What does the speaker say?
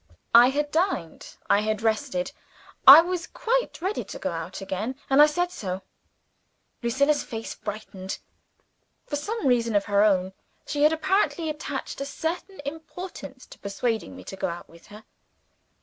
I had dined; I had rested; I was quite ready to go out again, and I said so. Lucilla's face brightened. For some reason of her own, she had apparently attached a certain importance to persuading me to go out with her.